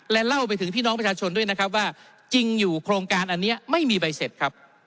และเล่าไปถึงพี่น้องประชาชนด้วยนะครับว่าจริงอยู่โครงการอันนี้ไม่มีใบเสร็จครับ